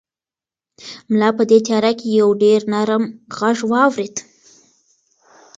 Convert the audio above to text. ملا په دې تیاره کې یو ډېر نرم غږ واورېد.